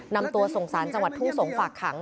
นำตัวส่งสารจังหวัดทุ่งสงฝากขัง